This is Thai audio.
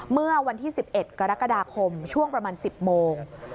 เมื่อวันที่๑๑กรกฎาคมช่วงประมาณ๑๐โมง